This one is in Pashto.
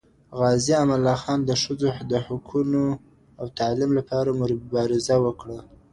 غازي امان الله خان د ښځو د حقونو او تعلیم لپاره مبارزه وکړه.